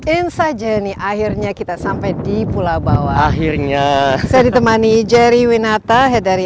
insajeni akhirnya kita sampai di pulau bawah akhirnya saya ditemani jerry winata head dari